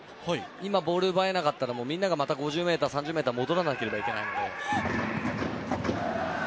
今、ボール奪えなかったのもみんながまた３０ｍ、５０ｍ戻らなければいけないので。